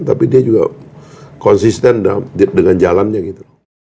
tapi dia juga konsisten dengan jalannya gitu